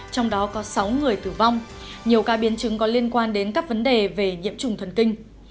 trong đó có sáu người tử vong nhiều ca biến chứng có liên quan đến các vấn đề về nhiễm trùng thần kinh